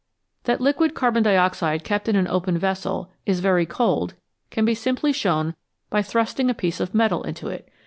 That liquid carbon dioxide? kept in an open vessel, is very cold can be simply shown by thrusting a piece of metal into it.